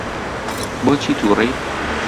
بۆچی تووڕەی؟